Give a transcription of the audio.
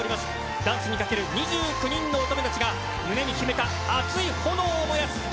ダンスにかける２９人の乙女たちが、胸に秘めた熱い炎を燃やす。